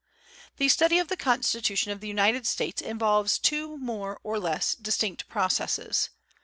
The study of the Constitution of the United States involves two more or less distinct processes.